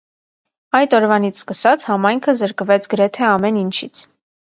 Այդ օրվանից սկսած համայնքը զրկվեց գրեթե ամեն ինչից։